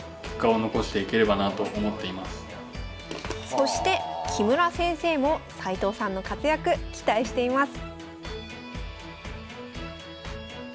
そして木村先生も齊藤さんの活躍期待しています。